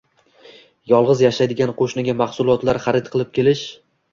yolg‘iz yashaydigan qo‘shniga mahsulotlar xarid qilib kelish